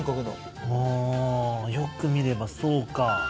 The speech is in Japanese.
よく見ればそうか。